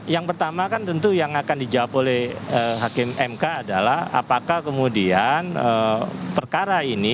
yang pertama kan tentu yang akan dijawab oleh hakim mk adalah apakah kemudian perkara ini